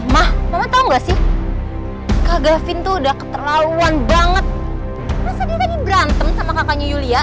mah mama tahu nggak sih kak gavin tuh udah keterlaluan banget rasanya tadi berantem sama kakaknya yulia